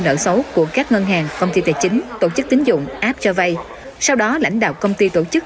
nợ xấu của các ngân hàng công ty tài chính tổ chức tín dụng app cho vay sau đó lãnh đạo công ty tổ chức